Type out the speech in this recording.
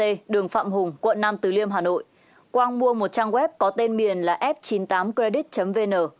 tại đường phạm hùng quận năm từ liêm hà nội quang mua một trang web có tên miền là f chín mươi tám credit vn